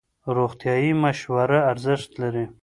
روغتیایي مشوره ارزښت لري.